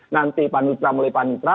nanti panitra melalui panitra